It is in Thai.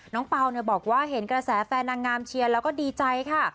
เปล่าบอกว่าเห็นกระแสแฟนนางงามเชียร์แล้วก็ดีใจค่ะ